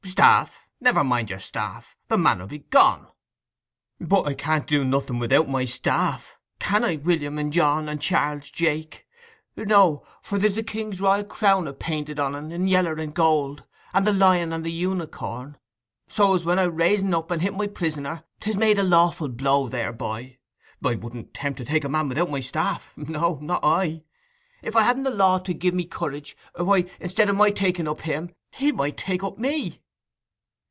'Staff!—never mind your staff; the man'll be gone!' 'But I can't do nothing without my staff—can I, William, and John, and Charles Jake? No; for there's the king's royal crown a painted on en in yaller and gold, and the lion and the unicorn, so as when I raise en up and hit my prisoner, 'tis made a lawful blow thereby. I wouldn't 'tempt to take up a man without my staff—no, not I. If I hadn't the law to gie me courage, why, instead o' my taking up him he might take up me!